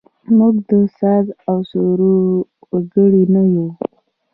موږ د ساز او سرور وګړي نه یوو.